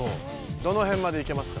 どのへんまで行けますか？